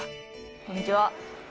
こんにちは。